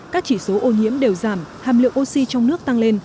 các chỉ số ô nhiễm đều giảm hàm lượng oxy trong nước tăng lên